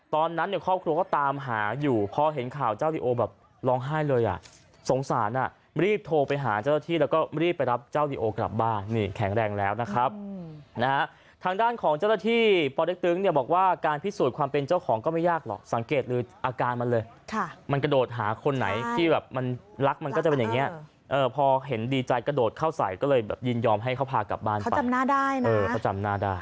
ตอนนั้นเนี้ยครอบครัวก็ตามหาอยู่พอเห็นข่าวเจ้าลิโอแบบร้องไห้เลยอ่ะสงสารอ่ะไม่รีบโทรไปหาเจ้าที่แล้วก็ไม่รีบไปรับเจ้าลิโอกลับบ้านนี่แข็งแรงแล้วนะครับนะฮะทางด้านของเจ้าที่ปอเด็กตึงเนี้ยบอกว่าการพิสูจน์ความเป็นเจ้าของก็ไม่ยากหรอกสังเกตหรืออาการมันเลยค่ะมันกระโดดหาคนไหนที่แบบม